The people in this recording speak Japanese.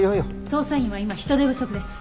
捜査員は今人手不足です。